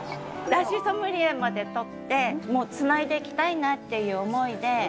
だしソムリエまで取ってつないでいきたいなっていう思いで。